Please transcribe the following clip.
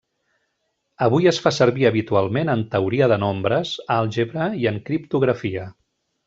Avui es fa servir habitualment en teoria de nombres, àlgebra i en criptografia.